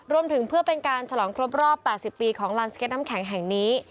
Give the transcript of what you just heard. รวมถึงเพื่อเป็นการฉลองครบรอบ๘๐ปีของลานสเก็ตน้ำแข็งแห่งนี้